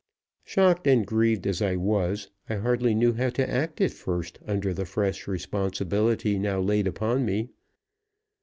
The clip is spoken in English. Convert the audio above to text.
Shocked and grieved as I was, I hardly knew how to act at first under the fresh responsibility now laid upon me.